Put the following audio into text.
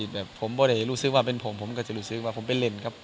แบบพอเดทลูกซึ้งว่าเป็นผมผมก็จะรู้สึกว่าผมเป็นเล่นครับ